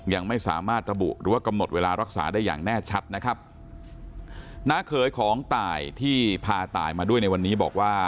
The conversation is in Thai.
ยังไม่สามารถระบุหรือว่ากำหนดเวลารักษาได้อย่างแน่ชัดนะครับน้าเขยของตายที่พาตายมาด้วยในวันนี้บอกว่า